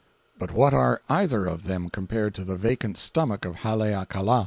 But what are either of them compared to the vacant stomach of Haleakala?